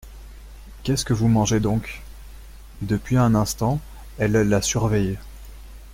Qu'est-ce que vous mangez donc ? Depuis un instant, elle la surveillait.